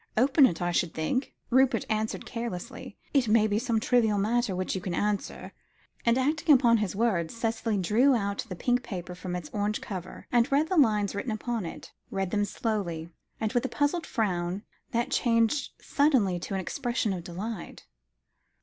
"Open it, I should think," Rupert answered carelessly; "it may be some trivial matter which you can answer," and acting upon his words, Cicely drew out the pink paper from its orange cover, and read the lines written upon it; read them slowly, and with a puzzled frown, that changed suddenly to an expression of delight.